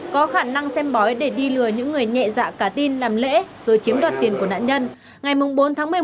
có khả năng xem bói để đi lừa những người nhẹ dạ cả tin làm lễ rồi chiếm đoạt tiền của nạn nhân